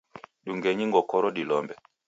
Dungenyi ngokoro dilombe